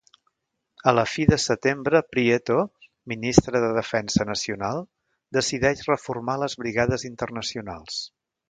A la fi de setembre Prieto, ministre de Defensa Nacional, decideix reformar les Brigades Internacionals.